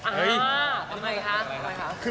อ๋อทำไมคะ